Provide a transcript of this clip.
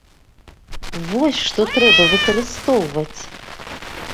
Вось, што трэба выкарыстоўваць!